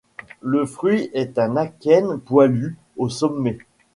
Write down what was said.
Le fruit est un akène poilu au sommet.